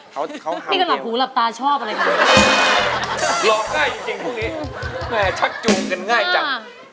หายไปก่อน